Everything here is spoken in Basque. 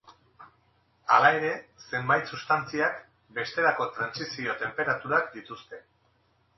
Hala ere, zenbait substantziak bestelako trantsizio-tenperaturak dituzte.